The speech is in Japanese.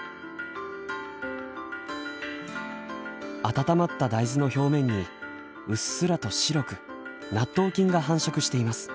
温まった大豆の表面にうっすらと白く納豆菌が繁殖しています。